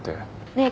ねえ。